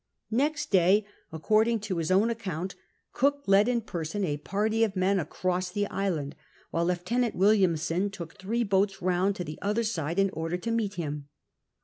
Next day, according to his own account. Cook I(h 1 in |)erson a party of men across the island, while Lieutenant Williamson took three boats round to the other side in order to meet him.